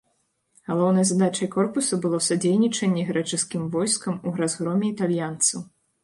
Галоўнай задачай корпуса было садзейнічанне грэчаскім войскам у разгроме італьянцаў.